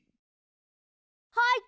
はい！